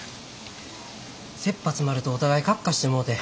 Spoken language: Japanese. せっぱ詰まるとお互いカッカしてもうて。